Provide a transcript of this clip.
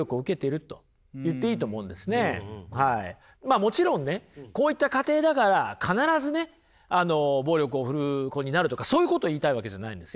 まあもちろんねこういった家庭だから必ずね暴力を振るう子になるとかそういうこと言いたいわけじゃないんですよ。